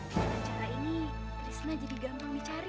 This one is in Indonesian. dengan cara ini krisna jadi gampang dicari